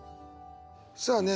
さあね